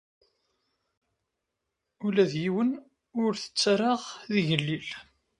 Ula d yiwen ur t-ttarraɣ d igellil.